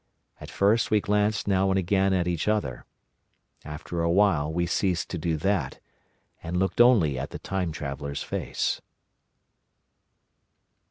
At first we glanced now and again at each other. After a time we ceased to do that, and looked only at the Time Traveller's face.